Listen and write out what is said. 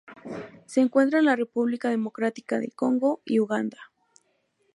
Se encuentra en la República Democrática del Congo y Uganda.